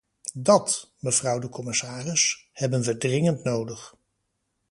Dat, mevrouw de commissaris, hebben we dringend nodig.